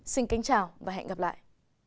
xin kính chào và hẹn gặp lại